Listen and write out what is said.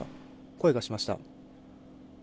声がしました。